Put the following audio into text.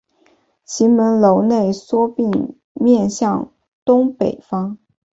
其门楼内缩并面向东北方。